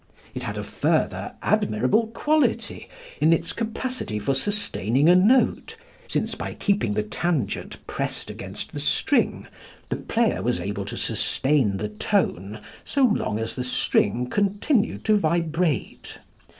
It had a further admirable quality in its capacity for sustaining a tone, since by keeping the tangent pressed against the string the player was able to sustain the tone so long as the string continued to vibrate.